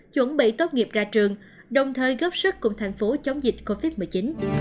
chuẩn bị tốt nghiệp ra trường đồng thời góp sức cùng thành phố chống dịch covid một mươi chín